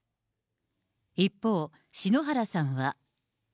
一方、篠原さんは。